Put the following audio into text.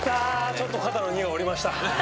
ちょっと肩の荷が下りました。